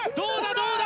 どうだ？